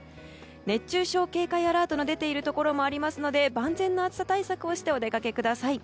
熱中症警戒アラートの出ているところもありますので万全な暑さ対策をしてお出かけください。